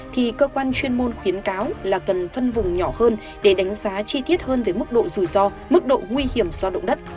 thì cơ quan chuyên môn khuyến cáo là cần phân vùng nhỏ hơn để đánh giá chi tiết hơn về mức độ rủi ro mức độ nguy hiểm do động đất